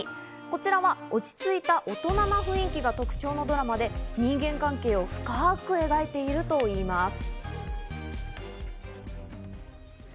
こちらは落ち着いた大人な雰囲気が特徴のドラマで、人間関係を深く描いているといいます。